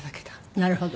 なるほど。